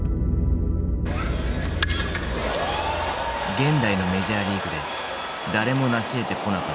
現代のメジャーリーグで誰もなしえてこなかった二刀流。